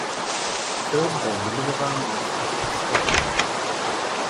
Film byl nominován na čtyři Oscary.